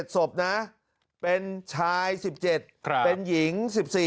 ศพนะเป็นชาย๑๗เป็นหญิง๑๔